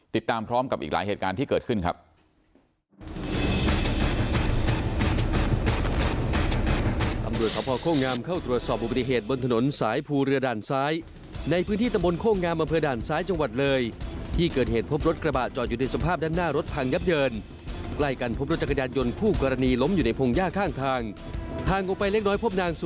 ติดตามพร้อมกับอีกหลายเหตุการณ์ที่เกิดขึ้นครับ